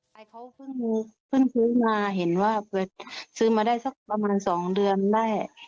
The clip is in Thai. ใครเขาเพิ่งซื้อมาเห็นว่าไปซื้อมาได้สักประมาณ๒เดือนได้